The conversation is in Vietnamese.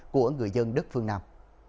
của người dân đất phương nam